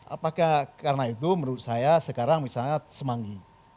apakah karena itu menurut saya sekarang misalnya semanggi